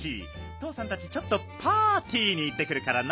とうさんたちちょっとパーティーにいってくるからな。